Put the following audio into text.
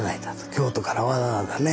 京都からわざわざね